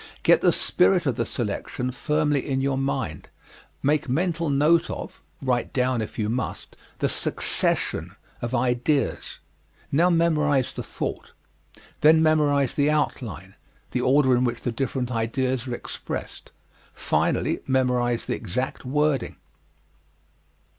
Get the spirit of the selection firmly in your mind. Make mental note of write down, if you must the succession of ideas. Now memorize the thought. Then memorize the outline, the order in which the different ideas are expressed. Finally, memorize the exact wording.